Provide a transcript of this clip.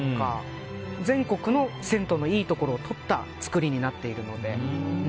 全国の銭湯のいいところをとった造りになっているので。